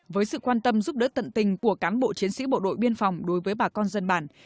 với sự quan tâm giúp đỡ tận tình của cán bộ chiến sĩ bộ đội biên phòng đối với bà con dân bản